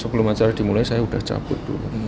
sebelum acara dimulai saya udah cabut dulu